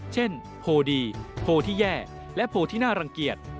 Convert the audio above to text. โพดีโพที่แย่และโพลที่น่ารังเกียจ